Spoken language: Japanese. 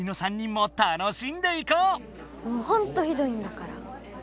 「もうほんとひどいんだから。